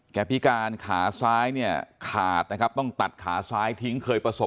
แค่พิการขาซ้ายเนี่ยขาดต้องตัดขาซ้ายทิ้ง